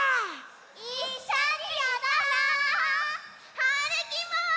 いっしょにうたおう！はるきも！